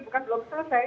bukan belum selesai